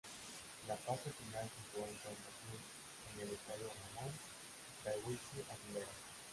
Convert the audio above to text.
La Fase final se jugó en Santa Cruz, en el Estadio Ramón Tahuichi Aguilera.